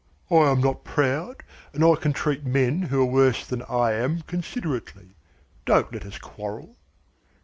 "I am not proud, and I can treat men who are worse than I am considerately. Don't let us quarrel."